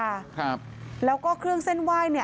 ๒๕๐๐๐บาทค่ะแล้วก็เครื่องเส้นไหว้เนี่ย